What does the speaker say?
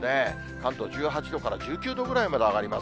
関東１８度から１９度ぐらいまで上がります。